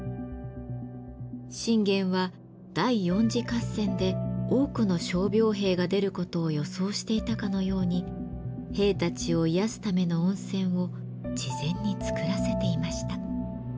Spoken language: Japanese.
信玄は第４次合戦で多くの傷病兵が出ることを予想していたかのように兵たちを癒やすための温泉を事前につくらせていました。